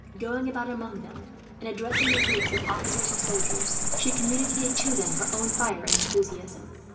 Going about among them, and addressing the groups of officers and soldiers, she communicated to them her own fire and enthusiasm.